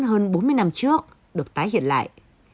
hơn bốn mươi năm trước được tái hiện lại